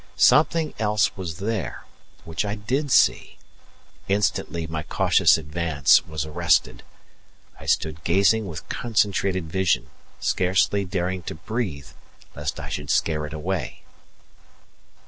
Something else was there, which I did see; instantly my cautious advance was arrested. I stood gazing with concentrated vision, scarcely daring to breathe lest I should scare it away.